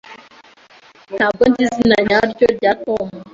Ntabwo nzi izina nyaryo rya Tom.